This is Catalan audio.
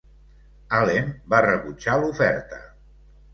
Allen va rebutjar l'oferta.